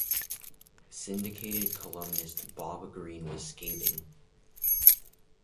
Syndicated columnist Bob Greene was scathing.